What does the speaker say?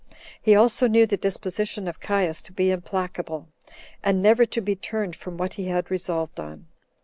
He also knew the disposition of Caius to be implacable, and never to be turned from what he had resolved on.